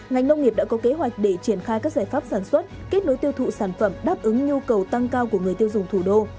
ngành nông nghiệp đã có kế hoạch để triển khai các giải pháp sản xuất kết nối tiêu thụ sản phẩm đáp ứng nhu cầu tăng cao của người tiêu dùng thủ đô